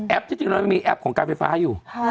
แอปที่จริงมีแอปของการไฟฟ้าอยู่